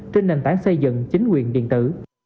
trên nền tảng xây dựng chính quyền điện tử